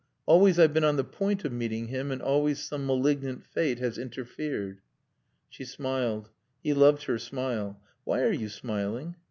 Always I've been on the point of meeting him, and always some malignant fate has interfered." She smiled. He loved her smile. "Why are you smiling?"